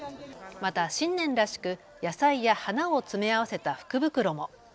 また新年らしく野菜や花を詰め合わせた福袋も。